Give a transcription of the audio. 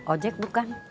ojek bu kan